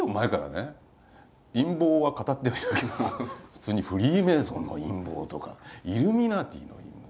普通に「フリーメーソンの陰謀」とか「イルミナティの陰謀」。